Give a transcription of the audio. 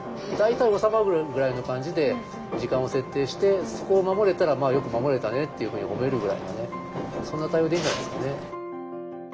大体収まるぐらいの感じで時間を設定してそこを守れたらよく守れたねっていうふうに褒めるぐらいがねそんな対応でいいんじゃないですかね。